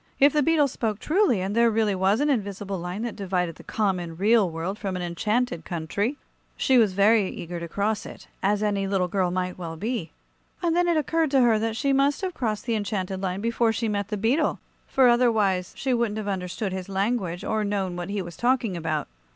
If the beetle spoke truly, and there really was an invisible line that divided the common, real world from an enchanted country, she was very eager to cross it, as any little girl might well be. And then it occurred to her that she must have crossed the enchanted line before she met the beetle, for otherwise she wouldn't have understood his language, or known what he was talking about.